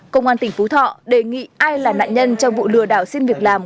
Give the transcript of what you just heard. công an tỉnh phú thọ đề nghị ai là nạn nhân trong vụ lừa đảo xin việc làm